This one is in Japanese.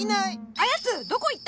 あやつどこいった？